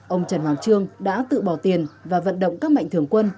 ông trần hoàng trương đã tự bỏ tiền và vận động các mạnh thường quân